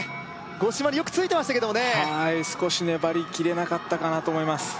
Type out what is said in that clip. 五島によくついてましたけどもねはい少し粘りきれなかったかなと思います